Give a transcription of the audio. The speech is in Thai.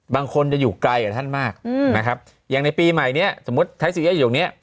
บางคนจะอยู่ไกลกับท่านมากนะครับอย่างในปีใหม่เนี้ยสมมุติใช้ซีเอสอยู่ตรงนี้